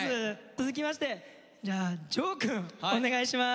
続きましてじゃあジョーくんお願いします。